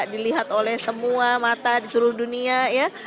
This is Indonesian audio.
dilihat oleh semua mata di seluruh dunia ya